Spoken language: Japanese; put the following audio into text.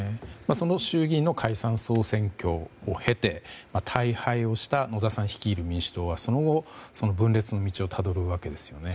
その衆議院の解散・総選挙を経て大敗をした野田さん率いる民主党はその後、分裂の道をたどるわけですよね。